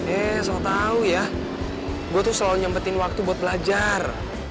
eh so tau tau ya gue tuh selalu nyempetin waktu buat belajar